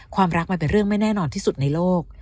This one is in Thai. ความรักมันเป็นเรื่องไม่แน่นอนที่สุดในโลก